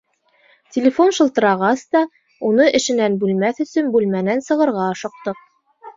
Телефон шылтырағас та, уны эшенән бүлмәҫ өсөн бүлмәнән сығырға ашыҡтыҡ.